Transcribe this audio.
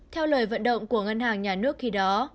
theo lời vận động của ngân hàng nhà nước khi đó